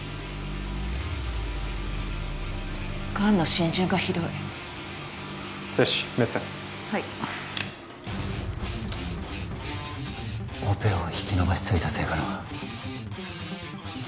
癌の浸潤がひどいセッシメッツェンはいオペを引き延ばしすぎたせいかな